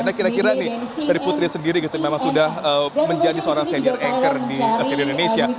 nah kira kira nih dari putri sendiri gitu memang sudah menjadi seorang senior anchor di senior indonesia